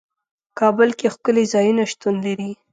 کابل کې ښکلي ځايونه شتون لري.